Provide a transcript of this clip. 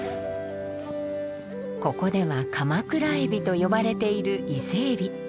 ここでは鎌倉海老と呼ばれている伊勢海老。